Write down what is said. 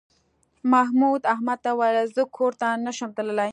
محمود احمد ته وویل زه کور ته نه شم تللی.